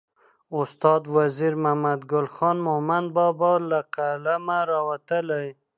استاد وزیر محمدګل خان مومند بابا له قلمه راوتلې.